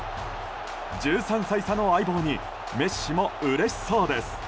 １３歳差の相棒にメッシもうれしそうです。